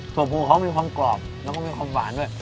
ปูเขามีความกรอบแล้วก็มีความหวานด้วย